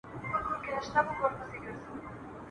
جهالت ته وکتل او د ا غزل مي ولیکل !.